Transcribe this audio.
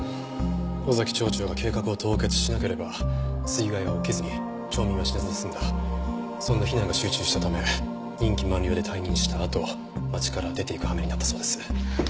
尾崎町長が計画を凍結しなければ水害は起きずに町民は死なずに済んだそんな非難が集中したため任期満了で退任したあと町から出ていく羽目になったそうです。